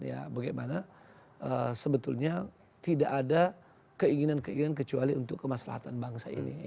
ya bagaimana sebetulnya tidak ada keinginan keinginan kecuali untuk kemaslahan bangsa ini